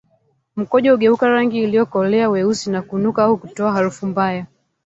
Mkojo hugeuka rangi iliyokolea weusi na kunuka au kutoa harufu mbaya